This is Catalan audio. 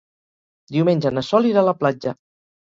Diumenge na Sol irà a la platja.